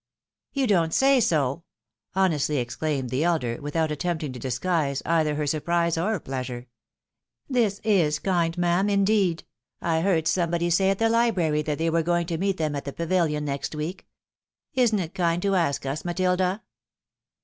" You don't say so !" honestly exclaimed the elder, without attempting to disguise cither her surprise or pleasure. " This is kind, ma'am, indeed. I heard somebody say at the library that they were going to meet them at the Pavilion next week. Isn't it kind to ask us, Matilda